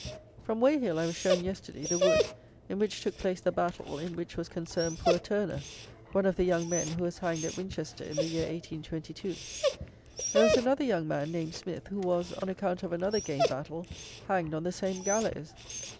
From Weyhill I was shown, yesterday, the wood, in which took place the battle, in which was concerned poor Turner, one of the young men, who was hanged at Winchester, in the year 1822. There was another young man, named Smith, who was, on account of another game battle, hanged on the same gallows!